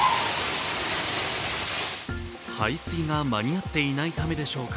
排水が間に合っていないためでしょうか。